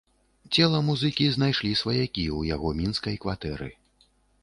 Цела музыкі знайшлі сваякі ў яго мінскай кватэры.